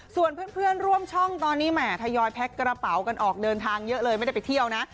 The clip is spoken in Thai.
ส่วนเพื่อนร่วมช่องตอนนี้แหม่ทยอยแพ็คกระเป๋ากันออกเดินทางเยอะเลยไม่ได้ไปเที่ยวนะ